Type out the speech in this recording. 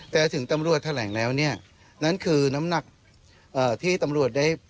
แต่ถึงตำรวจแถลงแล้วเนี่ยนั่นคือน้ำหนักที่ตำรวจได้